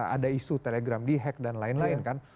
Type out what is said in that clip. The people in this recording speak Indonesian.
ada isu telegram di hack dan lain lain kan